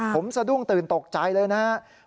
ผมสะดุ้งตื่นตกใจเลยนะครับ